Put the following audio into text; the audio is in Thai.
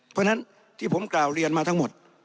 เพราะฉะนั้นที่ผมกล่าวเรียนมาทั้งหมด